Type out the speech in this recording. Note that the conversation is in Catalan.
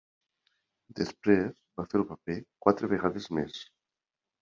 Després va fer el paper quatre vegades més.